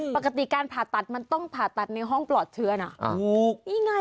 ปกติการผ่าตัดมันต้องผ่าตัดในห้องปลอดเทือน